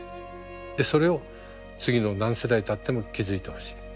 でそれを次の何世代たっても気付いてほしい。